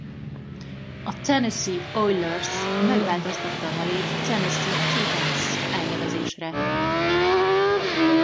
A Tennessee Oilers megváltoztatta a nevét Tennessee Titans elnevezésre.